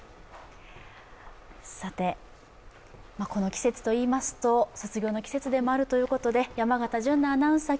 この季節といいますと、卒業の季節でもあるということで山形純菜アナウンサー